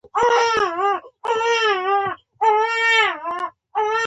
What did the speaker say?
نجلۍ پښې ته ټکان ورکړ.